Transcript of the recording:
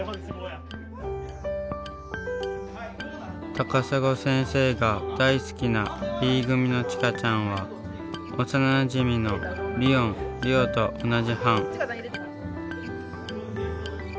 たかさご先生が大好きなＢ組のちかちゃんは幼なじみのりおんりおと同じ班。